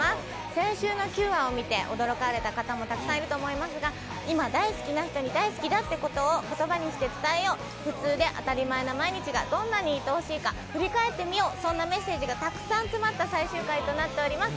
先週の９話を見て驚かれた方もたくさんいると思いますが、今、大好きな人に大好きだということを言葉にして伝えよう、普通で当たり前な毎日がどんなにいとおしいか振り返ってみようそんなメッセージがたくさん詰まった最終回となっています。